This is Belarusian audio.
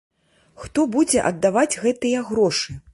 Хто будзе аддаваць гэтыя грошы?